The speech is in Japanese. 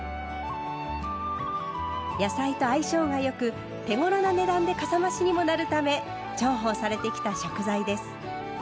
野菜と相性が良く手ごろな値段でかさ増しにもなるため重宝されてきた食材です。